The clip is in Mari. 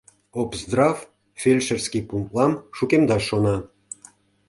Обздрав фельдшерский пунктлам шукемдаш шона.